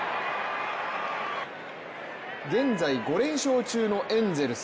現在５連勝中のエンゼルス。